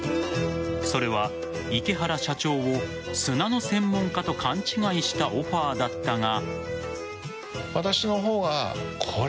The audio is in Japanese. それは池原社長を砂の専門家と勘違いしたオファーだったが。